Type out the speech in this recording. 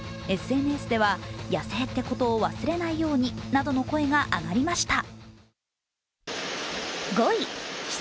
ＳＮＳでは野生ってことを忘れないようになどの声が上がりました。